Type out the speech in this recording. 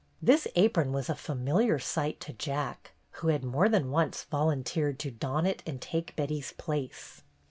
This apron was a familiar sight to Jack, who had more than once volunteered to don it and take Betty's place.